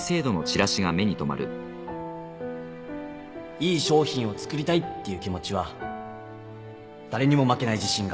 いい商品を作りたいっていう気持ちは誰にも負けない自信があります